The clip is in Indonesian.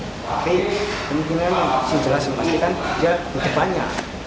tapi kemungkinan masih jelasin pasti kan dia kecepatannya